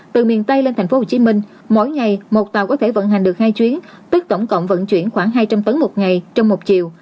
từ miền tây lên tp hcm mỗi ngày một tàu có thể vận hành được hai chuyến tức tổng cộng vận chuyển khoảng hai trăm linh tấn một ngày trong một chiều